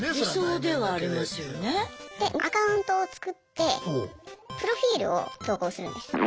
でアカウントを作ってプロフィールを投稿するんです。